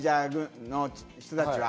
メジャーの人たちは。